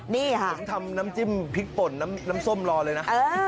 นี่ค่ะผมทำน้ำจิ้มพริกป่นน้ำส้มรอเลยนะ